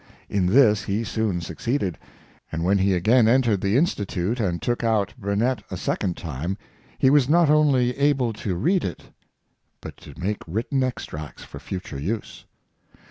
In this he soon succeeded; and when he again entered the Institute and took out " Bur net " a second time, he was not only able to read it, but to make written extracts for future use.